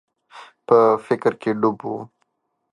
په فکر کي ډوب و.